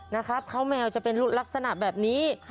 นะครับเขาแมวจะเป็นลักษณะแบบนี้